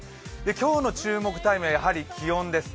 今日の注目タイムはやはり気温です。